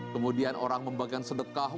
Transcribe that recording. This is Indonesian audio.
kemudian orang membagikan sedekah